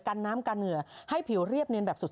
กันน้ำกันเหงื่อให้ผิวเรียบเนียนแบบสุด